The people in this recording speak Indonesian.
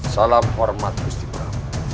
salam hormat gusti meram